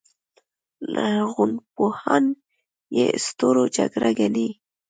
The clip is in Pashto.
لرغونپوهان یې ستورو جګړه ګڼي